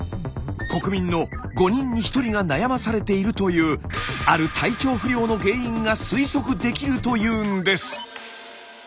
国民の５人に１人が悩まされているという「ある体調不良」の原因が推測できるというんです！